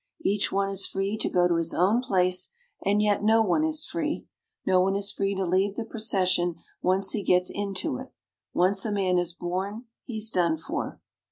Each one is free to go to his own place and yet no one is free. No one is free to leave the procession once he gets into it. Once a man is born he's done for.